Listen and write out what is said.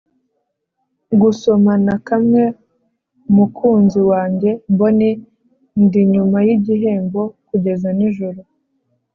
"gusomana kamwe, mukunzi wanjye bonny, ndi nyuma yigihembo kugeza nijoro,